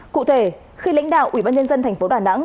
cụ thể khi lãnh đạo ủy ban nhân dân tp đà nẵng